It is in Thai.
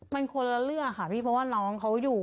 มันคนละเรื่องค่ะพี่เพราะว่าน้องเขาอยู่